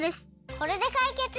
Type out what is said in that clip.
これでかいけつ！